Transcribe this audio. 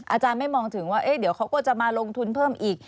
อาจารย์ไม่มองถึงว่าเดี๋ยวเขาก็จะมาลงทุนเพิ่มอีก